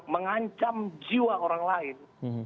mengancam jiwa orang lain